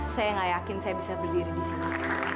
saya gak yakin saya bisa berdiri disini